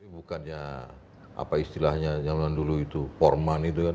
bukannya apa istilahnya yang dulu itu porman itu kan